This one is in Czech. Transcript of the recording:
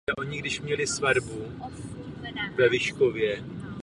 Možná Španělsko nemělo svěřit záchranu plavidla Gibraltaru?